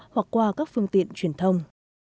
hoặc qua các phương tiện truyền thông